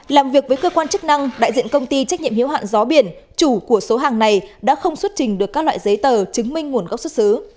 làm việc với cơ quan chức năng đại diện công ty trách nhiệm hiếu hạn gió biển chủ của số hàng này đã không xuất trình được các loại giấy tờ chứng minh nguồn gốc xuất xứ